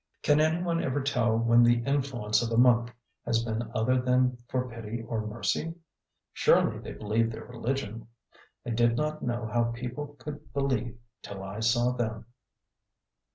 Can anyone ever tell when the influence of a monk has been other than for pity or mercy? Surely they believe their religion? I did not know how people could believe till I saw them.